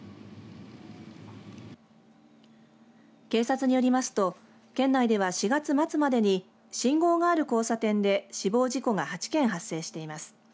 警察によりますと県内では４月末までに信号がある交差点で死亡事故が８件発生しています。